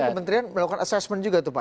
kementerian melakukan assessment juga tuh pak